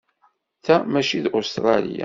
Ta maci d Ustṛalya.